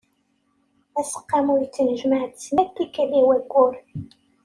Aseqqamu yettnejmaε-d snat tikal i wayyur.